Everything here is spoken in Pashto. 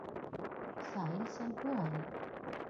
سایل صیب وایي: